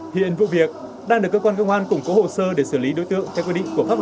hiện vụ việc đang được cơ quan công an củng cố hồ sơ để xử lý đối tượng theo quy định